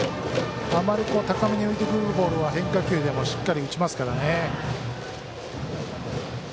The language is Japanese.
あまり高めに浮いてくるボールは変化球でもしっかり打ちましからね。